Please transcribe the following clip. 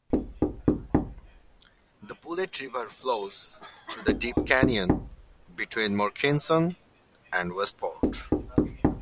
The Buller River flows through the deep canyon between Murchison and Westport.